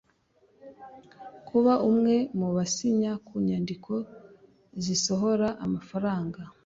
Kuba umwe mubasinya kunyandiko zisohora amafaranga.